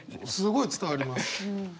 すごい伝わります。